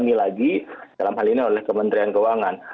ini lagi dalam hal ini oleh kementerian keuangan